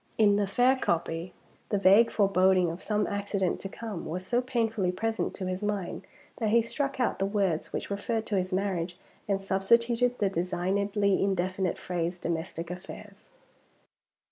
In the fair copy, the vague foreboding of some accident to come was so painfully present to his mind, that he struck out the words which referred to his marriage, and substituted the designedly indefinite phrase, "domestic affairs."